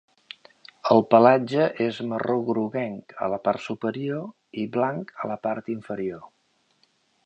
El pelatge és marró groguenc a la part superior i blanc a la part inferior.